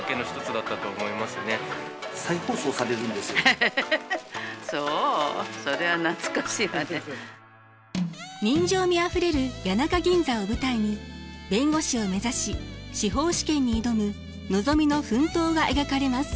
エヘヘそう人情味あふれる谷中銀座を舞台に弁護士を目指し司法試験に挑むのぞみの奮闘が描かれます。